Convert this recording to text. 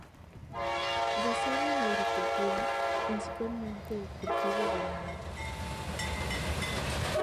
Basada en la agricultura, principalmente el cultivo del naranjo.